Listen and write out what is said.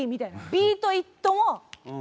「ビート・イット」は。